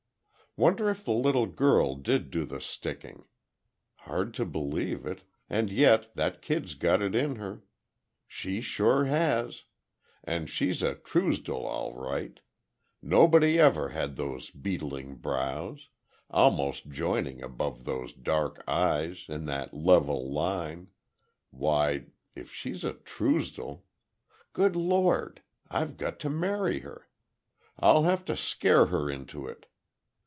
Wonder if the little girl did do the sticking. Hard to believe it, and yet that kid's got it in her. She sure has! And she's a Truesdell all right. Nobody ever had those beetling brows, almost joining above those dark eyes, in that level line—why, if she's a Truesdell—! Good Lord, I've got to marry her! I'll have to scare her into it!